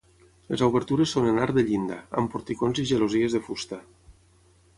Les obertures són en arc de llinda, amb porticons i gelosies de fusta.